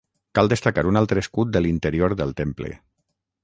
Cal destacar un altre escut de l'interior del temple.